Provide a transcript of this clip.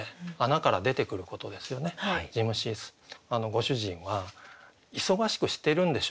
ご主人は忙しくしてるんでしょうね。